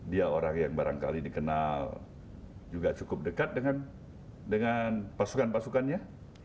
dia orang yang barangkali dikenal juga cukup dekat dengan pasukan pasukannya